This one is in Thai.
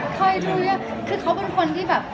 ใครดูเนี่ยคือเขาเป็นคนที่แบบ